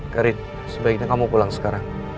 karit sebaiknya kamu pulang sekarang